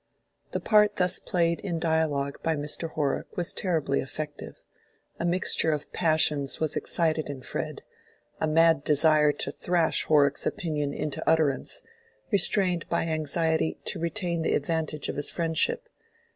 The part thus played in dialogue by Mr. Horrock was terribly effective. A mixture of passions was excited in Fred—a mad desire to thrash Horrock's opinion into utterance, restrained by anxiety to retain the advantage of his friendship.